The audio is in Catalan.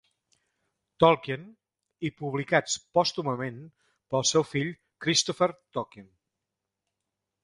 Tolkien i publicats pòstumament pel seu fill Christopher Tolkien.